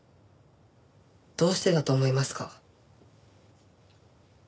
どうしてだと思いますか？